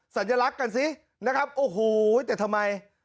สัญลักษณ์กันสินะครับโอ้โหแต่ทำไม